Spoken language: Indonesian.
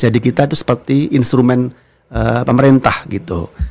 jadi kita itu seperti instrumen pemerintah gitu